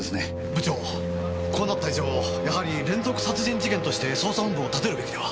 部長こうなった以上やはり連続殺人事件として捜査本部を立てるべきでは？